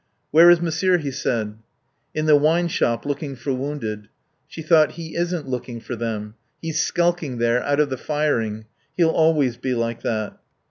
"Where is Monsieur?" he said. "In the wine shop, looking for wounded." She thought: He isn't looking, for them. He's skulking there, out of the firing. He'll always be like that.